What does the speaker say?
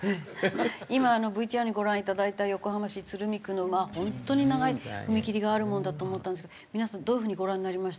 今ＶＴＲでご覧いただいた横浜市鶴見区の本当に長い踏切があるもんだと思ったんですけど皆さんどういう風にご覧になりました？